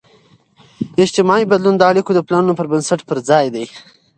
اجتماعي بدلون د اړیکو د پلانون پر بنسټ پرځای دی.